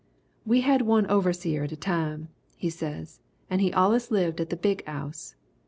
"We had one overseer at a time," he said, "and he allus lived at the big 'ouse.